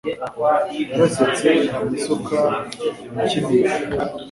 Yarasetse ampa isuka ikinisha.